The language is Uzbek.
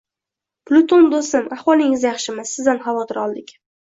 Pluton doʻstim, ahvolingiz yaxshimi? Sizdan xavotir oldik